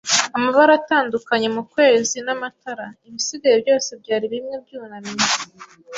amabara atandukanye mukwezi n'amatara. Ibisigaye byose byari bimwe byunamye,